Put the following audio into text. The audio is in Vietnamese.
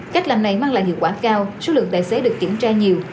cách làm này mang lại hiệu quả cao số lượng tài xế được kiểm tra nhiều